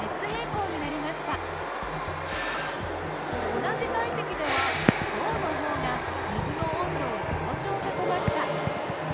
同じ体積では銅の方が水の温度を上昇させました。